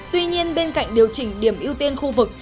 tuy nhiên bên cạnh điều chỉnh điểm ưu tiên khu vực